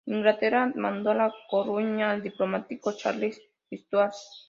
Inglaterra mandó a La Coruña al diplomático Charles Stuart.